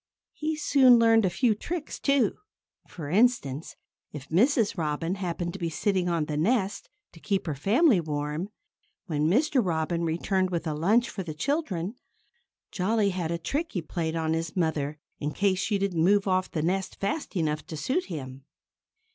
He soon learned a few tricks, too. For instance, if Mrs. Robin happened to be sitting on the nest, to keep her family warm, when Mr. Robin returned with a lunch for the children, Jolly had a trick that he played on his mother, in case she didn't move off the nest fast enough to suit him.